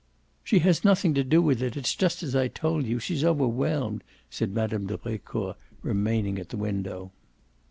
"She has nothing to do with it it's just as I told you she's overwhelmed," said Mme. de Brecourt, remaining at the window.